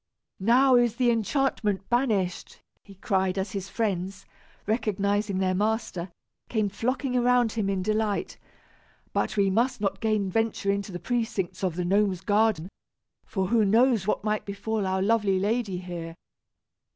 "Now is the enchantment banished!" he cried, as his friends, recognizing their master, came flocking around him in delight. "But we must not again venture into the precincts of the gnome's garden, for who knows what might befall our lovely lady here?